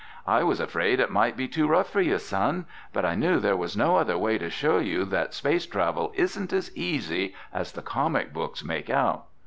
"I was afraid it might be too rough for you, son, but I knew there was no other way to show you that space travel isn't as easy as the comic books make out."